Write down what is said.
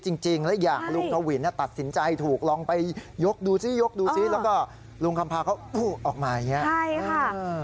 ชีวิตจริงและอยากลุงทวินตัดสินใจถูกลองไปยกดูซิแล้วลุงคำภาพออกมานี่